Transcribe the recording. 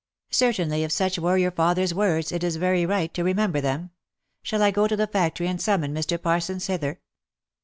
' Cer tainly if such were your father's words, it is very right to remember them. Shall I go to the factory and summon Mr. Parsons hither?"